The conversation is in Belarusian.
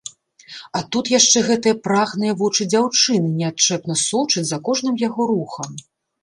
А тут яшчэ гэтыя прагныя вочы дзяўчыны неадчэпна сочаць за кожным яго рухам.